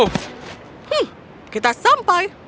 hmm kita sampai